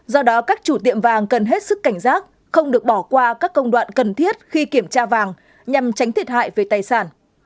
do đó các chủ tiệm vàng cần hết sức cảnh giác không được bỏ qua các công đoạn cần thiết khi kiểm tra vàng nhằm tránh thiệt hại về tài sản